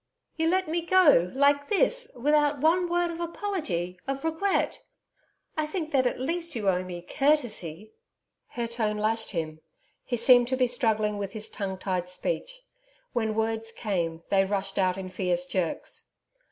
You let me go like this without one word of apology of regret. I think that, at least, you owe me courtesy.' Her tone lashed him. He seemed to be struggling with his tongue tied speech. When words came they rushed out in fierce jerks.